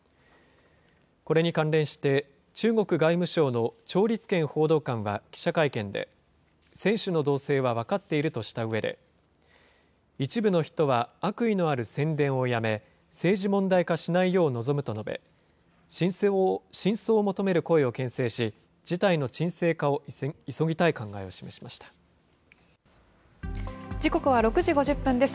これに関連して、中国外務省の趙立堅報道官は記者会見で、選手の動静は分かっているとしたうえで、一部の人は悪意のある宣伝をやめ、政治問題化しないよう望むと述べ、真相を求める声をけん制し、事態の沈静化を急ぎたい考えを示しま時刻は６時５０分です。